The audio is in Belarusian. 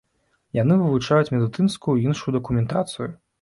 Яны вывучаюць медыцынскую і іншую дакументацыю.